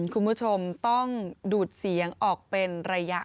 คุณผู้ชมต้องดูดเสียงออกเป็นระยะ